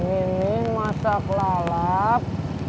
ini masih lalap